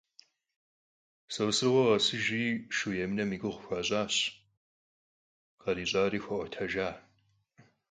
Sosrıkhue khesıjjri şşu yêmınem yi guğu xuaş'aş, khariş'ari xua'uetejjaş.